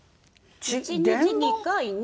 １日２回ね。